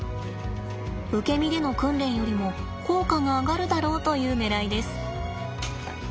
受け身での訓練よりも効果が上がるだろうというねらいです。